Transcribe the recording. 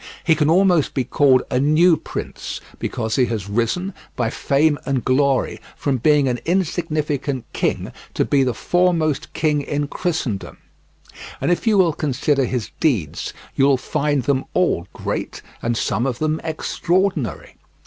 He can almost be called a new prince, because he has risen, by fame and glory, from being an insignificant king to be the foremost king in Christendom; and if you will consider his deeds you will find them all great and some of them extraordinary.